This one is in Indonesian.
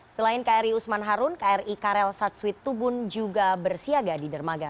selain kri usman harun kri karel satsuit tubun juga bersiaga di dermaga